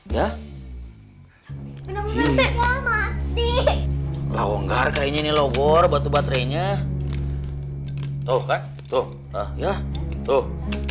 ya kenapa nanti mati launggar kayaknya nih logor batu baterainya tuh tuh tuh